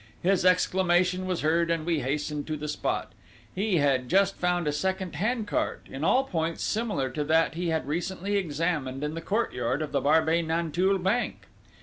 His exclamation was heard, and we hastened to the spot.... He had just found a second hand cart, in all points similar to that he had recently examined in the courtyard of the Barbey Nanteuil bank!